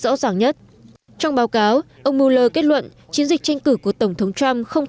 rõ ràng nhất trong báo cáo ông mueller kết luận chiến dịch tranh cử của tổng thống trump không